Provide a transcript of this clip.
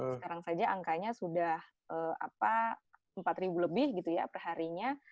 sekarang saja angkanya sudah empat lebih gitu ya perharinya